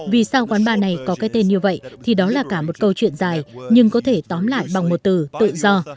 vì sao quán bar này có cái tên như vậy thì đó là cả một câu chuyện dài nhưng có thể tóm lại bằng một từ tự do